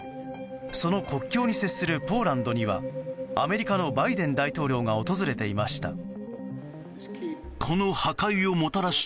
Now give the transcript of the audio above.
その国境を接するポーランドにはアメリカのバイデン大統領が訪れていました。